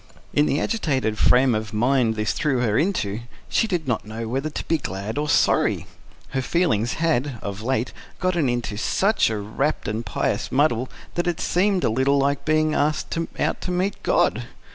In the agitated frame of mind this threw her into, she did not know whether to be glad or sorry. Her feelings had, of late, got into such a rapt and pious muddle that it seemed a little like being asked out to meet God.